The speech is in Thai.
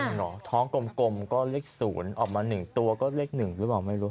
เหรอท้องกลมก็เลข๐ออกมา๑ตัวก็เลข๑หรือเปล่าไม่รู้